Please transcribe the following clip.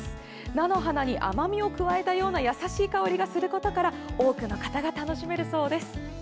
菜の花に甘みを加えたような優しい香りがすることから多くのかたが楽しめるそうです。